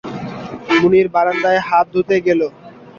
মুনির বারান্দায় হাত ধুতে গেল।